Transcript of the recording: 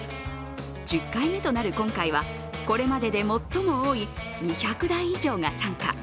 １０回目となる今回はこれまでで最も多い２００台以上が参加。